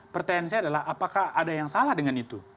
pertanyaan saya adalah apakah ada yang salah dengan itu